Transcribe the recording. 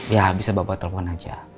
ya bisa bapak telepon aja